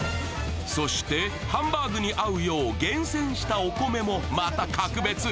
そしてハンバーグに合うよう厳選したお米もまた格別。